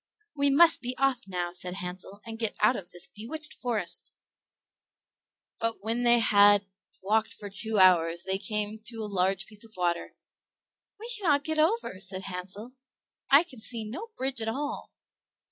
"We must be off now," said Hansel, "and get out of this bewitched forest"; but when they had walked for two hours they came to a large piece of water. "We cannot get over," said Hansel. "I can see no bridge at all."